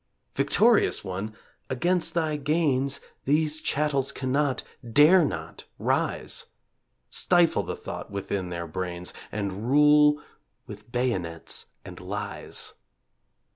Victorious one! Against thy gains These chattels cannot, dare not rise; Stifle the thought within their brains And rule ... with bayonets and lies.